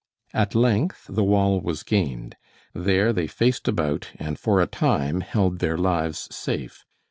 At length the wall was gained. There they faced about and for a time held their lives safe.